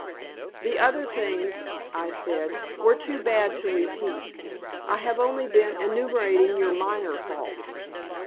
"The other things," I said, "were too bad to repeat. I have only been enumerating your minor faults."